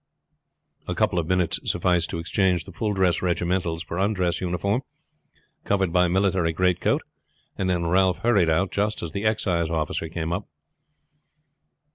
A couple of minutes sufficed to exchange the full dress regimentals for undress uniform, covered by military greatcoat, then Ralph hurried out just as the excise officer came up.